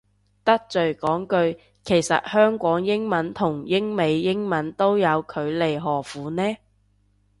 得罪講句，其實香港英文都同英美英文都有距離何苦呢